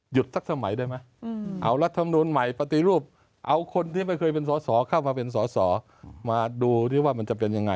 สักสมัยได้ไหมเอารัฐมนูลใหม่ปฏิรูปเอาคนที่ไม่เคยเป็นสอสอเข้ามาเป็นสอสอมาดูที่ว่ามันจะเป็นยังไง